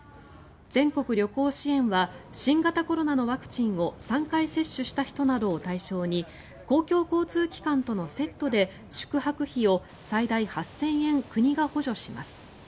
全国旅行支援は新型コロナのワクチンを３回接種した人などを対象に公共交通機関とのセットで宿泊費を最大８０００円国が補助します。